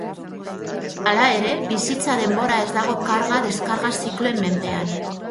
Hala ere, bizitza-denbora ez dago karga-deskarga zikloen menpean.